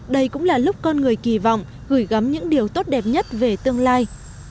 đây cũng là lúc con người kỳ vọng gửi gắm những điều tốt đẹp nhất về tương lai